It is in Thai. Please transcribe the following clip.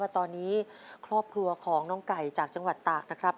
ตอนนี้ครอบครัวของน้องไก่จากจังหวัดตากนะครับ